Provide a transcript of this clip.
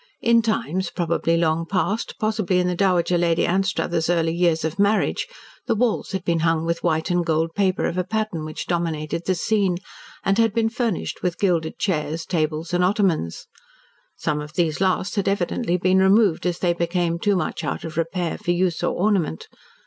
In times probably long past, possibly in the Dowager Lady Anstruthers' early years of marriage, the walls had been hung with white and gold paper of a pattern which dominated the scene, and had been furnished with gilded chairs, tables, and ottomans. Some of these last had evidently been removed as they became too much out of repair for use or ornament.